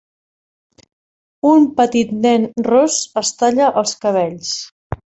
Un petit nen ros es talla els cabells.